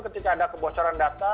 ketika ada kebocoran data